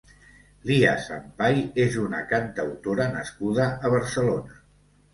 Lia Sampai és una cantautora nascuda a Barcelona.